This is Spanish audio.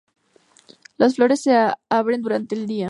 Las flores se abren durante el día.